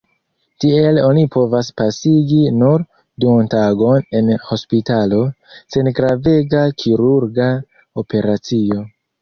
Tiel oni povas pasigi nur duontagon en hospitalo, sen gravega kirurga operacio.